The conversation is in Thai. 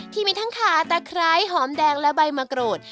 ที่มีทั้งขาตะไคร้หอมแดงและใบมะกรูด